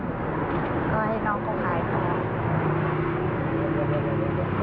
เข้าห้องน้ำ